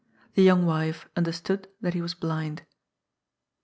The young wife under stood that he was blind.